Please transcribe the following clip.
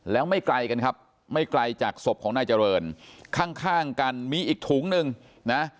แล้วไม่ไกลกันครับไม่ไกลจากศพของนายเจริญข้างกันมีอีกถุงหนึ่งนะ